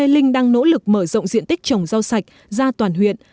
linh đang nỗ lực mở rộng diện tích trồng rau sạch ra toàn huyện